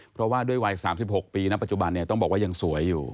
เพราะว่าด้วยวัย๓๖ปีนะปัจจุบันเนี่ยต้องบอกว่ายังสวยอยู่